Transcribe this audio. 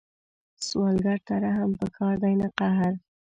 سوالګر ته رحم پکار دی، نه قهر